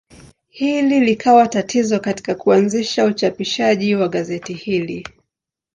Hili likawa tatizo katika kuanzisha uchapishaji wa gazeti hili.